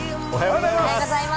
おはようございます。